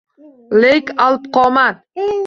Lek alpqomat